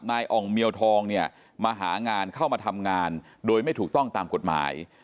อ่องเมียวทองเนี่ยมาหางานเข้ามาทำงานโดยไม่ถูกต้องตามกฎหมาย